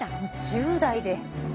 １０代で！